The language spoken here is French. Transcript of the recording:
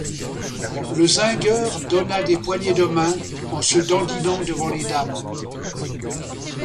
Le zingueur donna des poignées de main, en se dandinant devant les dames.